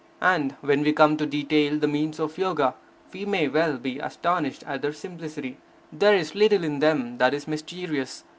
And when we come to detail the means of Yoga, we may well be astonished at their simplicity. There is little in them that is mysterious.